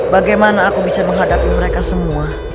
bagaimana aku bisa menghadapi mereka semua